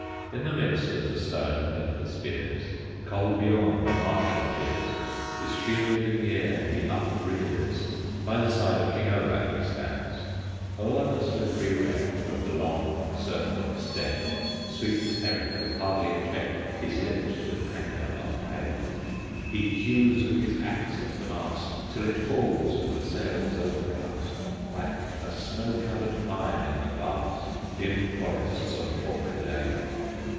In the midst of the stones and the spears, Kolbiorn, the marshal, appears, His shield in the air he uprears, By the side of King Olaf he stands. Over the slippery wreck Of the Long Serpent's deck Sweeps Eric with hardly a check, His lips with anger are pale; He hews with his axe at the mast, Till it falls, with the sails overcast, Like a snow covered pine in the vast Dim forests of Orkadale.